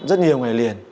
rất nhiều ngoài liền